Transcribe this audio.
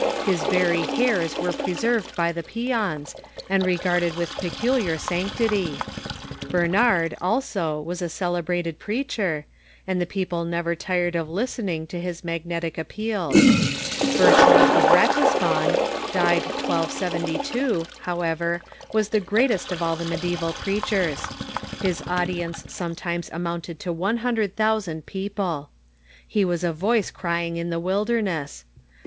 His very hairs were preserved by the pious, and regarded with CHRISTIAN WORSHIP 167 peculiar sanctity, Bernharcl, also, was a celebrated preacher, and the people never tired of listening to liis magnetic ap peals. Bcrthold of Ratisbon (died 1272), however, was the greatest of all the mediteval ])reachers. His audience some times amounted to one hundred thousand people. lie was a voice crying in the wilderness.